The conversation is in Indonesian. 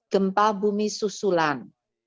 gempa bumi susulan